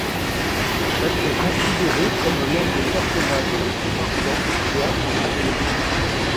Elle est considérée comme l'un des personnages les plus marquants du théâtre américain.